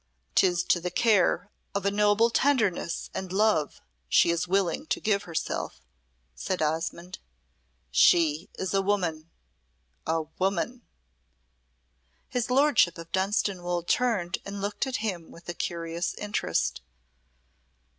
"'Tis to the care of noble tenderness and love she is willing to give herself," said Osmonde. "She is a Woman a Woman!" His lordship of Dunstanwolde turned and looked at him with a curious interest.